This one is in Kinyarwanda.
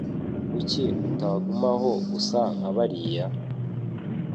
Kuki utagumaho gusa nk'abariya?